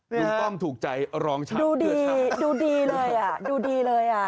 ดูต้องถูกใจรองชัดเพื่อชาติดูดีเลยอ่ะดูดีเลยอ่ะ